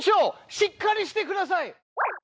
しっかりしてください！